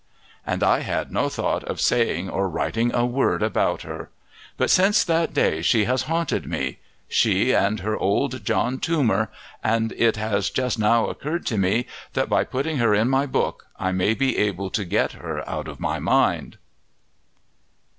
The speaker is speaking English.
And I had no thought of saying or writing a word about her. But since that day she has haunted me she and her old John Toomer, and it has just now occurred to me that by putting her in my book I may be able to get her out of my mind.